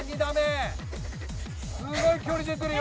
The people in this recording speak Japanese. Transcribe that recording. すごい距離出てるよ